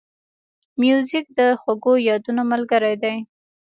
موزیک د خوږو یادونو ملګری دی.